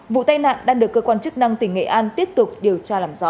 vụ tai nạn đang được cơ quan chức năng tỉnh nghệ an tiếp tục điều tra làm rõ